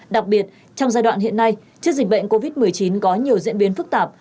đặc biệt trong giai đoạn hiện nay trước dịch bệnh covid một mươi chín có nhiều diễn biến phức tạp